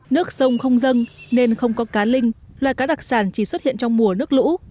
nước sông không dâng nên không có cá linh loài cá đặc sản chỉ xuất hiện trong mùa nước lũ